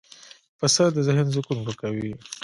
پسه د ذهن سکون ورکوي.